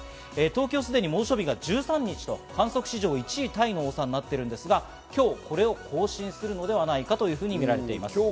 東京、すでに猛暑日が１３日と観測史上１位タイの多さになっていますが、今日これを更新するのではないかというふうに見られています。